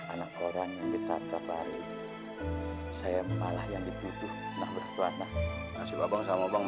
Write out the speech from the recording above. anak anak orang yang ditaruh saya membalas yang ditutup nah beratuan nasib abang sama bang